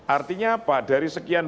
artinya apa dari sekian